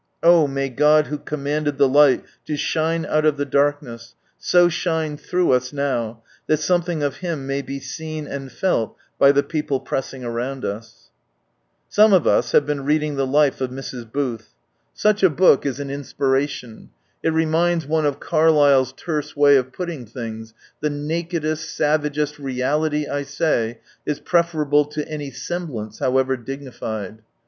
Oh may God who commanded the light to shine out of darkness, so shine through us now, that something of Him may be seen and felt by the people pressing around us ! Some of us have been reading the Life of Mrs, Bouth, Such a book is an inspiration. It reminds one of Carlyle's terse way of putting things, " The nakcdest, savagest reality I say, is preferable to any semblance, however dignified."